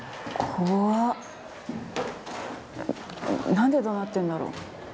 何でどなってるんだろ？